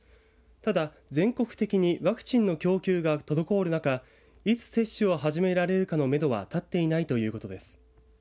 ただ、全国的にワクチンの供給が滞る中、いつ接種を始められるかのめどはたっていないということです。